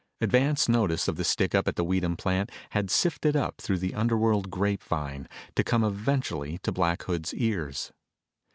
Advance notice of the stick up at the Weedham plant had sifted up through the underworld grapevine to come eventually to Black Hood's ears.